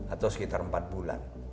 atau sekitar empat bulan